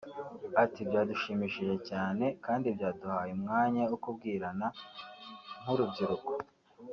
Ati "Byadushimishije cyane kandi byaduhaye umwanya wo kubwirana nk’urubyiruko